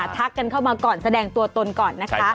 ทักกันเข้ามาก่อนแสดงตัวตนก่อนนะคะ